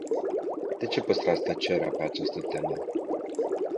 De ce păstrați tăcerea pe această temă?